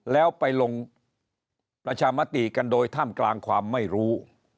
แล้วไปลงประชามติกันโดยท่ามกลางความไม่รู้